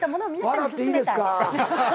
笑っていいですか？